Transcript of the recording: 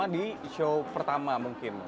di show pertama mungkin